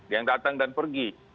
yang datang dan pergi